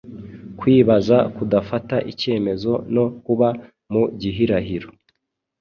Kwibaza, kudafata icyemezo no kuba mu gihirahiro